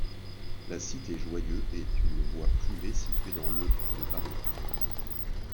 La cité Joyeux est une voie privée située dans le de Paris.